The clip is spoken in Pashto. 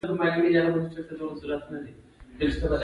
چپه خوله باچاهي وي.